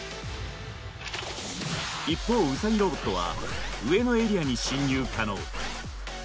一方ウサギロボットは上のエリアに進入可能。